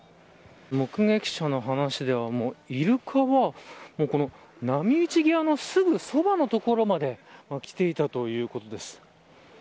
目撃者の話ではイルカは波打ち際のすぐそばの所まで来ていたということです。